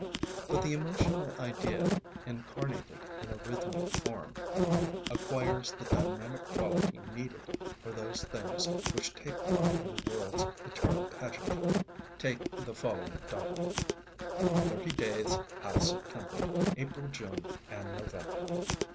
But the emotional idea, incarnated in a rhythmic form, acquires the dynamic quality needed for those things which take part in the world's eternal pageantry. Take the following doggerel: Thirty days hath September, April, June, and November.